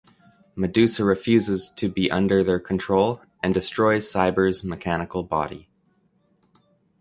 Medusa refuses to be under their control and destroys Cyber’s mechanical body.